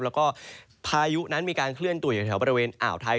แล้วก็พายุนั้นมีการเคลื่อนตัวอยู่แถวบริเวณอ่าวไทย